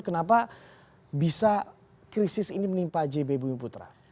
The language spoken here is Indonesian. kenapa bisa krisis ini menimpa ajb bumi putra